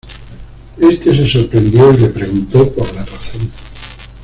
Este se sorprendió y le preguntó por la razón.